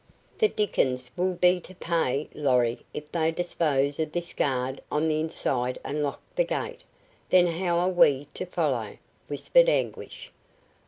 "The dickens will be to pay, Lorry, if they dispose of this guard on the inside and lock the gate. Then how are we to follow?" whispered Anguish.